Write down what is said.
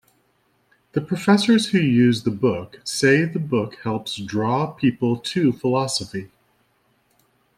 The professors who use the book say the book helps draw people to philosophy.